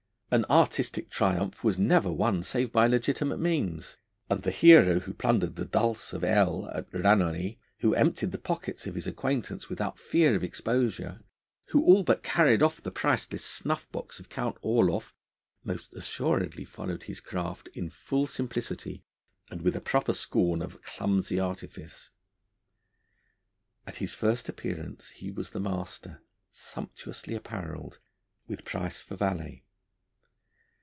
An artistic triumph was never won save by legitimate means; and the hero who plundered the Dulce of L r at Ranelagh, who emptied the pockets of his acquaintance without fear of exposure, who all but carried off the priceless snuff box of Count Orloff, most assuredly followed his craft in full simplicity and with a proper scorn of clumsy artifice. At his first appearance he was the master, sumptuously apparelled, with Price for valet.